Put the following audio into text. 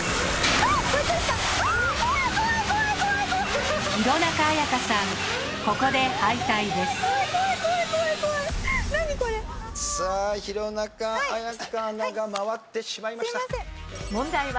さあ弘中綾香アナが回ってしまいました。